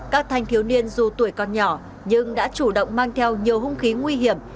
các thanh thiếu niên dù tuổi còn nhỏ nhưng đã chủ động mang theo nhiều hung khí nguy hiểm